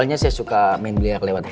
lo gak mau makan bareng